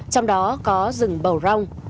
trong đó có rừng bầu rông